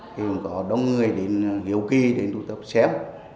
thì cũng có đông người đến hiếu kỳ đến tụ tập xếp